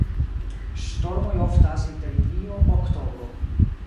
Ŝtormoj oftas inter junio-oktobro.